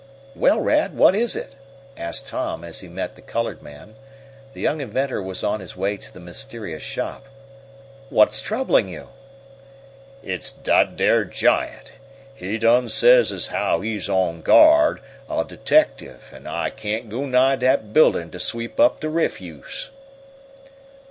"Well, Rad, what is it?" asked Tom, as he met the colored man. The young inventor was on his way to the mysterious shop. "What is troubling you?" "It's dat dar giant. He done says as how he's on guard a deteckertiff an' I can't go nigh dat buildin' t' sweep up de refuse."